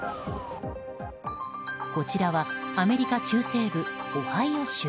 こちらはアメリカ中西部オハイオ州。